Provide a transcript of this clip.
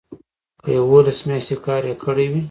که یوولس میاشتې کار یې کړی وي.